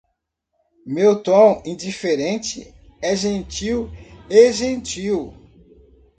Meu tom indiferente é gentil e gentil.